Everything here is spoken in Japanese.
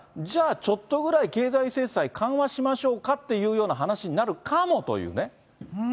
じゃあ、ちょっとぐらい経済制裁、緩和しましょうかっていうような話になるかもというね。